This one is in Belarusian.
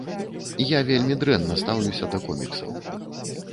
Я вельмі дрэнна стаўлюся да коміксаў.